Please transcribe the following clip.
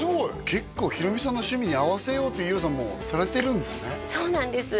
結構ヒロミさんの趣味に合わせようって伊代さんもされてるんですね